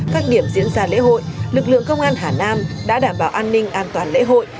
các điểm diễn ra lễ hội lực lượng công an hà nam đã đảm bảo an ninh an toàn lễ hội